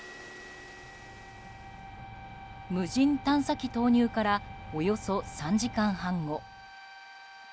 無人探査機投入からおよそ３時間半後。